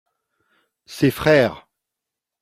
ses frères.